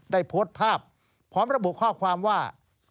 ได้โพสต์ภาพพร้อมระบุข้อความว่า